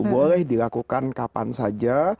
boleh dilakukan kapan saja